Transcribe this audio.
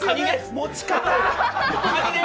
持ち方。